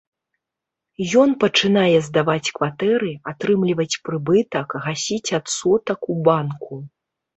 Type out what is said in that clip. Ён пачынае здаваць кватэры, атрымліваць прыбытак, гасіць адсотак у банку.